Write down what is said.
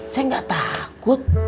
saya gak takut